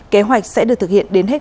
kế hoạch sẽ được thực hiện đến hết